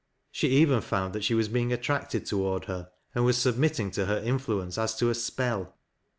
She even found that she was being attracted toward her, and was submitting to her influence as to a spell.